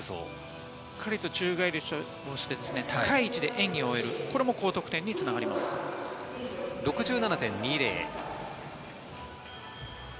しっかり宙返りして高い位置で演技を終える、これも高得点につながります、６７．２０。